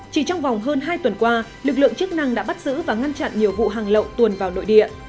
chỉ trong vòng hơn hai tuần qua lực lượng chức năng đã bắt giữ và ngăn chặn nhiều vụ hàng lậu tuồn vào nội địa